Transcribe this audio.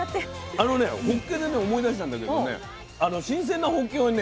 あのねほっけでね思い出したんだけどね新鮮なほっけをね